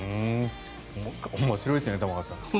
面白いですね玉川さん。